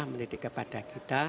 mendidik kepada kita